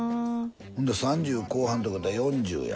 ほんだら３０後半ってことは４０や。